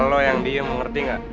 lo yang diem ngerti gak